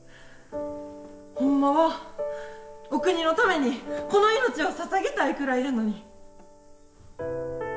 ほんまはお国のためにこの命をささげたいくらいやのに。